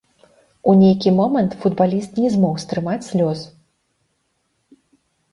У нейкі момант футбаліст не змог стрымаць слёз.